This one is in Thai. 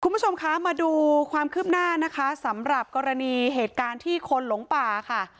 คุณผู้ชมคะมาดูความคืบหน้านะคะสำหรับกรณีเหตุการณ์ที่คนหลงป่าค่ะ